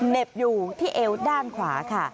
เห็บอยู่ที่เอวด้านขวาค่ะ